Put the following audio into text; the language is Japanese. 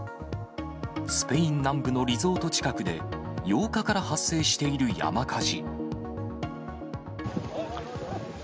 スペイン南部のリゾート近くで、８日から発生している山火事。